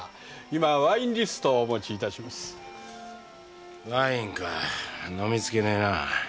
今ワインリストをお持ちします。ワインか飲みつけねえな。